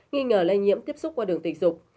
nghi ngờ lây nhiễm tiếp xúc qua đường tình dục